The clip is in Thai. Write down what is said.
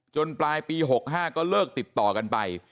ปลายปี๖๕ก็เลิกติดต่อกันไป